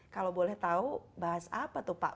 kalau boleh tahu bahas apa tuh pak